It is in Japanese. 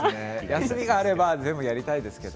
休みがあれば全部やりたいですけど。